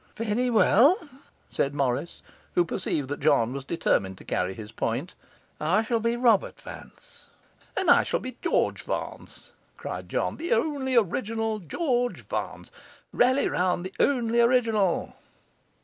'Very well,' said Morris, who perceived that John was determined to carry his point, 'I shall be Robert Vance.' 'And I shall be George Vance,' cried John, 'the only original George Vance! Rally round the only original!